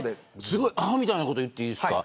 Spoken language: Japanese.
アホみたいなこと言っていいですか。